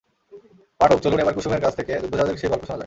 পাঠক, চলুন এবার কুসুমের কাছ থেকে যুদ্ধজাহাজের সেই গল্প শোনা যাক।